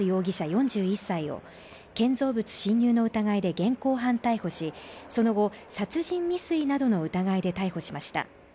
４１歳を建造物侵入の疑いで現行犯逮捕し、その後、殺人未遂などの疑いで逮捕しました。